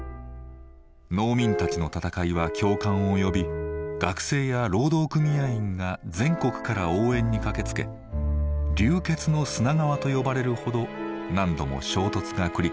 農民たちの闘いは共感を呼び学生や労働組合員が全国から応援に駆けつけ「流血の砂川」と呼ばれるほど何度も衝突が繰り返されました。